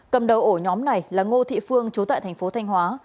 cầm đầu ổ nhóm này là ngô thị phương trú tại thành phố thanh hóa